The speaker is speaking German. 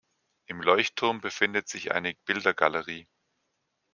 Im Leuchtturm befindet sich eine Bildergalerie.